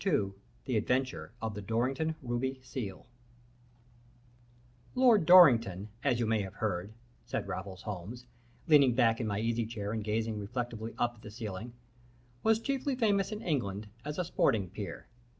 II THE ADVENTURE OF THE DORRINGTON RUBY SEAL "Lord Dorrington, as you may have heard," said Raffles Holmes, leaning back in my easy chair and gazing reflectively up at the ceiling, "was chiefly famous in England as a sporting peer.